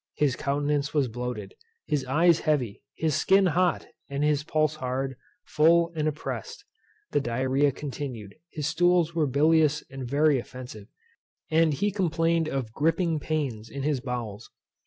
His countenance was bloated, his eyes heavy, his skin hot, and his pulse hard, full, and oppressed. The diarrhoea continued; his stools were bilious and very offensive; and he complained of griping pains in his bowels.